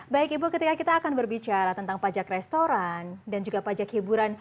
baik ibu ketika kita akan berbicara tentang pajak restoran dan juga pajak hiburan